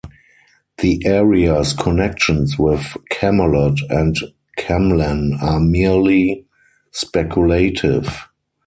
The area's connections with Camelot and Camlann are merely speculative.